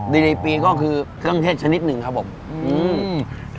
ดีในปีก็คือเครื่องเทศชนิดหนึ่งครับผมอืม